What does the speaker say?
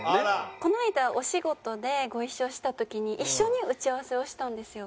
この間お仕事でご一緒した時に一緒に打ち合わせをしたんですよ。